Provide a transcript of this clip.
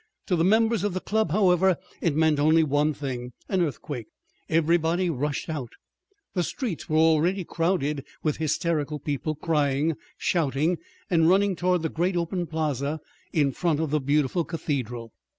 To the members of the club, however, it meant only one thing an earthquake. Everybody rushed out; the streets were already crowded with hysterical people, crying, shouting, and running toward the great open plaza in front of the beautiful cathedral.